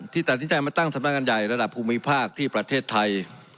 ตัดสินใจมาตั้งสำนักงานใหญ่ระดับภูมิภาคที่ประเทศไทย